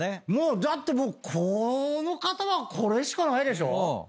だってもうこの方はこれしかないでしょ。